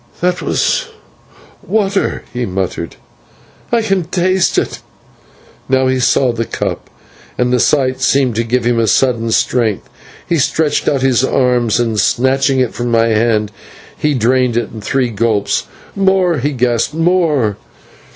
"That was water," he muttered, "I can taste it." Then he saw the cup, and the sight seemed to give him a sudden strength, for he stretched out his arms and, snatching it from my hand, he drained it in three gulps. "More," he gasped, "more."